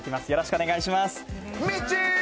よろしくお願いします。